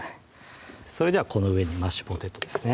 それではこの上にマッシュポテトですね